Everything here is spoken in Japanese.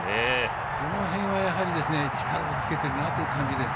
あの辺はやはり力をつけてるなという感じです。